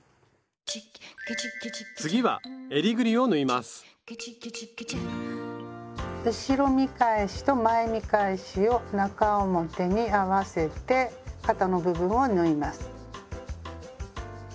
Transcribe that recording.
次は後ろ見返しと前見返しを中表に合わせて肩の部分を縫います。